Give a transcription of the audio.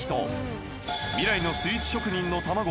未来のスイーツ職人のたまご